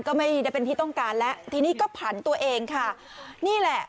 ก็ไม่ได้เป็นที่ต้องการแล้วทีนี้ก็ผันตัวเองค่ะนี่แหละ